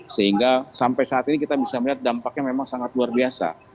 sehingga sampai saat ini kita bisa melihat dampaknya memang sangat luar biasa